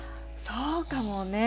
そうかもね。